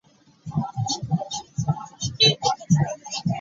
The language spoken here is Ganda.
Ensi kati w'etuuse yeetaga ssaala yennyini.